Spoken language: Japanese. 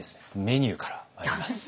メニューからまいります。